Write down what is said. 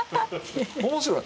面白い。